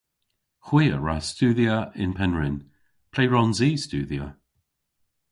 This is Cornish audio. Hwi a wra studhya yn Pennrynn. Ple hwrons i studhya?